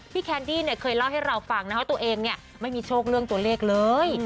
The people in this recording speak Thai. แคนดี้เนี่ยเคยเล่าให้เราฟังนะว่าตัวเองเนี่ยไม่มีโชคเรื่องตัวเลขเลย